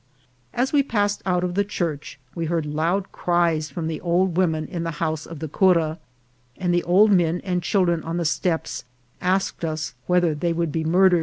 As we passed out of the church, we heard loud cries from the old women in the house of the cura ; and the old men and children on the steps asked us whether they would be murdered.